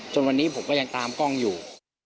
จนวันนี้ผมก็ยังตามกล้องอยู่